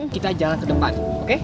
kita jalan ke depan oke